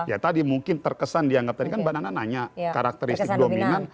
ya tadi mungkin terkesan dianggap tadi kan mbak nana nanya karakteristik dominan